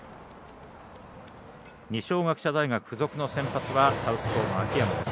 二松学舎大学付属の先発はサウスポーの秋山です。